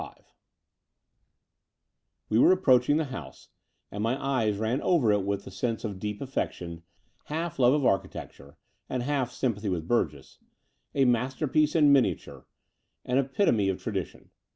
K We were approaching the house; and my eyes ran over it with a sense of deep affection, half love of architecttu'e and haJf sympathy with Bturgess — a masterpiece in miniatture, an epitome of tradition.